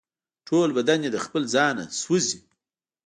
ټول بدن یې د خپل ځانه سوزي